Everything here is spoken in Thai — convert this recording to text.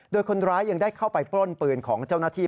โดยคนร้ายยังได้เข้าไปปล้นปืนของเจ้าหน้าที่